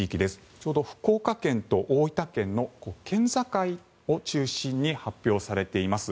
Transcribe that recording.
ちょうど福岡県と大分県の県境を中心に発表されています。